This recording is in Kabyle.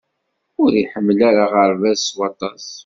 Ur iḥemmel ara aɣerbaz s waṭas.